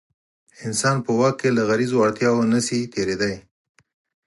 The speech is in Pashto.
انسان په واک کې له غریزو اړتیاوو نه شي تېرېدلی.